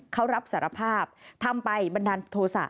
เขารับสารภาพทำไปบันดาลโทษะ